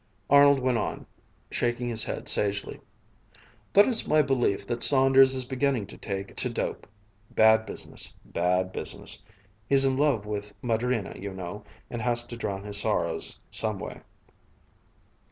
Arnold went on, shaking his head sagely: "But it's my belief that Saunders is beginning to take to dope ... bad business! Bad business! He's in love with Madrina, you know, and has to drown his sorrows some way."